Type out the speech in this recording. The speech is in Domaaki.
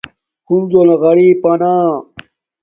ہنزو نا غریپا نا